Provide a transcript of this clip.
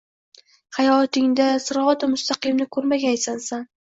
Hayotingda siroti mustaqimni koʻrmagaysan, san